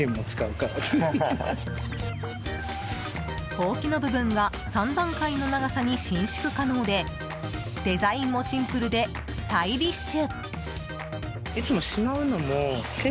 ほうきの部分が３段階の長さに伸縮可能でデザインもシンプルでスタイリッシュ。